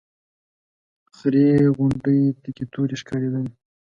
خړې غونډۍ تکې تورې ښکارېدلې.